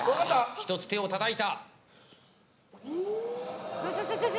１つ、手をたたいた。